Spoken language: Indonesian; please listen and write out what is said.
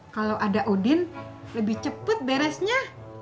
kalo ada udin lebih cepet beresnya